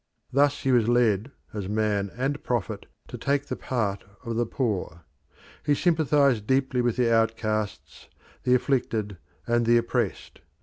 Thus he was led as man and prophet to take the part of the poor. He sympathised deeply with the outcasts, the afflicted, and the oppressed.